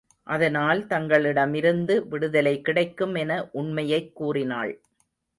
அதனால், தங்களிடமிருந்து விடுதலை கிடைக்கும் என உண்மையைக் கூறினாள்.